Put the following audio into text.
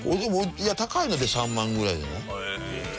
いや高いので３万ぐらいじゃない？